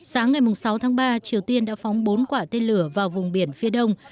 sáng ngày sáu tháng ba triều tiên đã phóng bốn quả tên lửa vào vùng biển phía đông